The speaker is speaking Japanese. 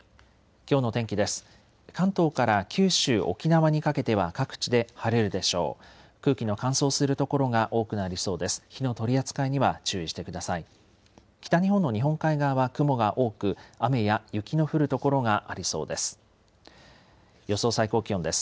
きょうの天気です。